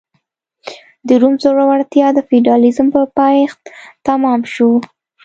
د روم ځوړتیا د فیوډالېزم په پایښت تمام شو